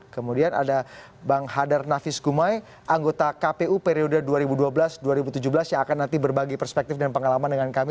kemudian ada bang hadar nafis gumai anggota kpu periode dua ribu dua belas dua ribu tujuh belas yang akan nanti berbagi perspektif dan pengalaman dengan kami